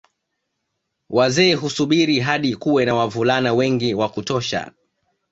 Wazee husubiri hadi kuwe na wavulana wengi wa kutosha